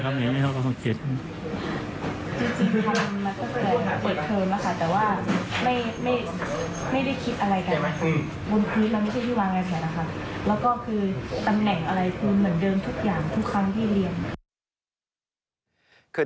มันเหมือนเดิมทุกอย่างทุกครั้งที่เรียน